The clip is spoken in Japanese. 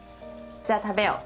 じゃあ食べよう。